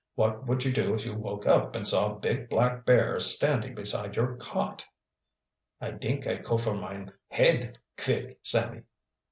"What would you do if you woke up and saw a big black bear standing beside your cot"? "I dink I cofer mine head kvick, Sammy."